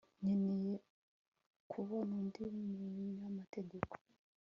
nkeneye kubona undi munyamategeko